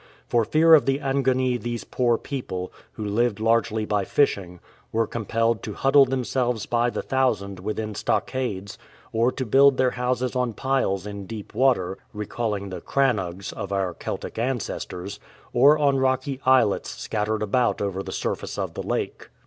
For fear of the Angoni these poor people, who lived largely by fishing, were compelled to huddle themselves by the thousand within stockades, or to build their houses on piles in deep water (recalling the "crannogs' of our Celtic ancestors), or on rocky islets scattered about over the surface of the lake.